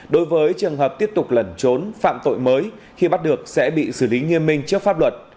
đối với trường hợp tiếp tục lẩn trốn phạm tội mới khi bắt được sẽ bị xử lý nghiêm minh trước pháp luật